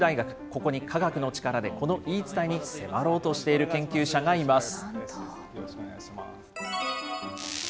ここに、科学の力で、この言い伝えに迫ろうとしている研究者がいます。